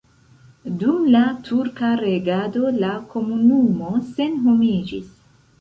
Dum la turka regado la komunumo senhomiĝis.